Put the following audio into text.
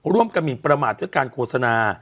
เก๋กมีนประหลาดด้วยการโกสนา